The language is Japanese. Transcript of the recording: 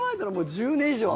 １０年以上は。